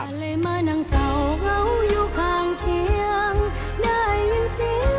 แค่เพียงคิดถึงครั้งหนึ่งเคยฮักกันให้มันผ่านมาแล้วหลายปี